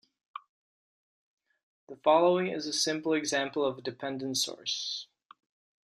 The following is a simple example of a dependent source.